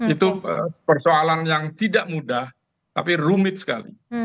itu persoalan yang tidak mudah tapi rumit sekali